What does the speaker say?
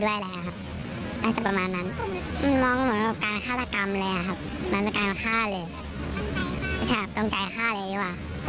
ไม่ได้คิดว่ามันจะทำเราแค่ครั้งเดียว